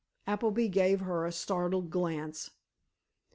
Appleby gave her a startled glance.